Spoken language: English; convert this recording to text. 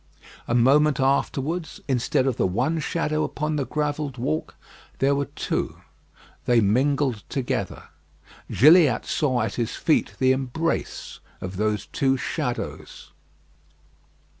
A moment afterwards, instead of the one shadow upon the gravelled walk, there were two. They mingled together. Gilliatt saw at his feet the embrace of those two shadows.